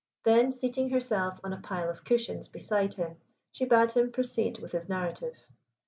Then, seating herself on a pile of cushions beside him, she bade him proceed with his narrative.